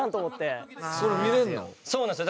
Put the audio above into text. そうなんですよ。